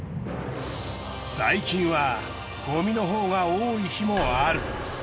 最近はごみのほうが多い日もある。